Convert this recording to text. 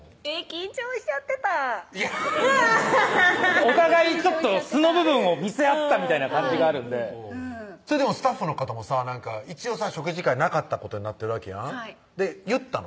緊張しちゃってたぁいやっお互い素の部分を見せ合ったみたいな感じがあるんでそれでもスタッフの方もさ一応さ食事会なかったことになってるわけやん言ったの？